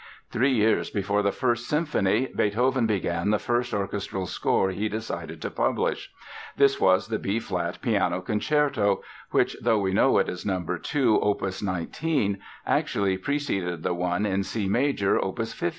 Three years before the First Symphony Beethoven began the first orchestral score he decided to publish. This was the B flat Piano Concerto, which though we know it as No. 2, opus 19, actually preceded the one in C major, opus 15.